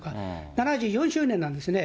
７４周年なんですね。